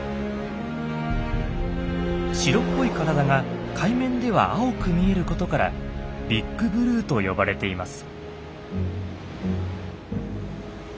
白っぽい体が海面では青く見えることからビッグブルーと呼ばれています。